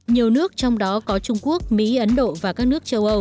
nhiều nước trong đó có trung quốc mỹ ấn độ và các nước châu âu